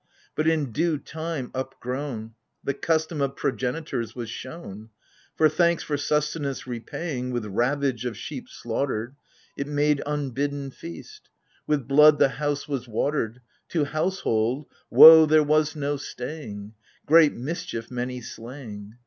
But in due time upgrown. The custom of progenitors was shown : For — thanks for sustenance repaying With ravage of sheep slaughtered — AGAMEMNON. 6i \ It made unbidden feast ; With blood the house was watered, To household — woe there was no staying : Great mischief many slaying